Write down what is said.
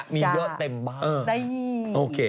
มีเยอะเต็มบ้าง